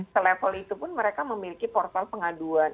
selevel itu pun mereka memiliki portal pengaduan